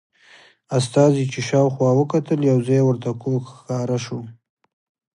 استازي چې شاوخوا وکتل یو ځای ورته کوږ ښکاره شو.